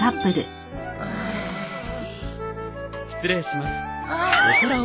失礼します。